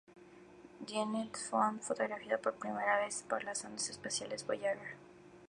Dione fue fotografiado por primera vez por las sondas espaciales Voyager.